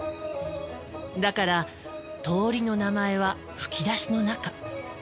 だから通りの名前は吹き出しの中。